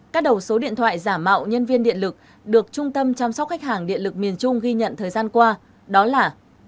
các đầu số điện thoại giả mạo nhân viên điện lực được trung tâm chăm sóc khách hàng điện lực miền trung ghi nhận thời gian qua đó là